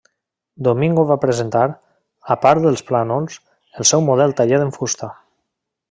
Domingo va presentar, a part dels plànols, el seu model tallat en fusta.